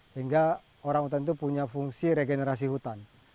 sehingga orang hutan itu punya fungsi regenerasi hutan